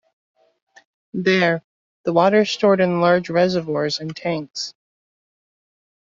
There, the water stored in large reservoirs and tanks.